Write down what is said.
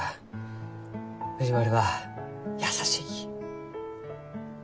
藤丸は優しいき。